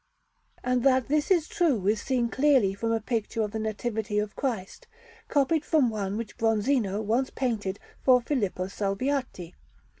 And that this is true is seen clearly from a picture of the Nativity of Christ, copied from one which Bronzino once painted for Filippo Salviati.